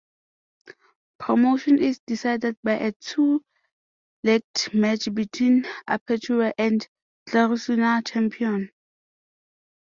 Promotion is decided by a two-legged match between apertura and clausura champion.